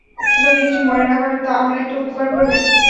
যদি কিছু মনে না করেন আমার একটা উপকার করবেন।